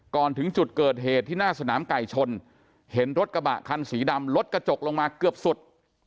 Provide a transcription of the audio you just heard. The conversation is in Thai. ถึงจุดเกิดเหตุที่หน้าสนามไก่ชนเห็นรถกระบะคันสีดำลดกระจกลงมาเกือบสุด